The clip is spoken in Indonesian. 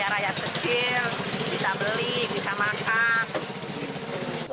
harganya supaya rakyat kecil bisa beli bisa masak